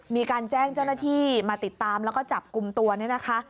มีการแจ้งเจ้าหน้าที่มาติดตามแล้วก็จับกลุ่มตัวเนี่ยนะคะ